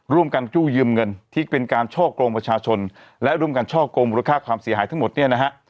ร่วมกันกู้ยืมเงินที่เป็นการช่อกงประชาชนและร่วมกันช่อกงมูลค่าความเสียหายทั้งหมดเนี่ยนะฮะ